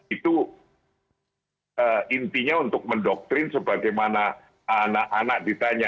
itu intinya untuk mendoktrin sebagaimana anak anak ditanya